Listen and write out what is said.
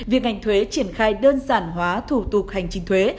việc ngành thuế triển khai đơn giản hóa thủ tục hành trình thuế